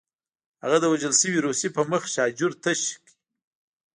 هغه د وژل شوي روسي په مخ شاجور تشه کړه